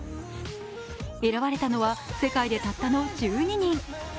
選ばれたのは世界でたったの１２人。